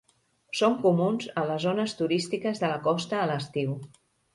Són comuns a les zones turístiques de la costa a l'estiu.